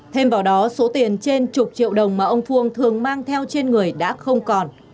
thêm vào đó số tiền trên chục triệu đồng mà ông phương thường mang theo trên người đã không còn